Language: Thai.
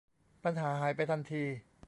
ปัญหาหายไปทันที